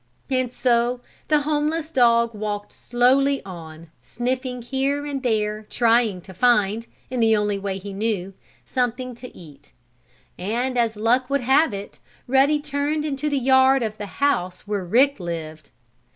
And so the homeless dog walked slowly on, sniffing here and there trying to find, in the only way he knew, something to eat. And, as luck would have it, Ruddy turned into the yard of the house where Rick lived.